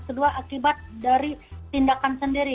kedua akibat dari tindakan sendiri